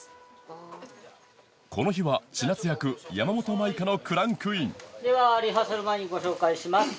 この日はちなつ役山本舞香のクランクインではリハーサル前にご紹介します。